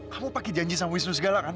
kamu pakai janji sama wisnu segala kan